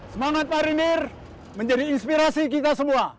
semangat marinir menjadi inspirasi kita semua